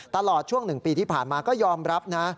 ตลอดช่วง๑ปีที่ผ่านมาก็ยอมรับนะ